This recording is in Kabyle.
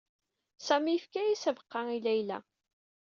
Sami yefka-as abeqqa i Layla.